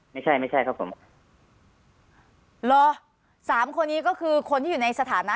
ไม่ใช่ไม่ใช่ครับผมหรอสามคนนี้ก็คือคนที่อยู่ในสถานะ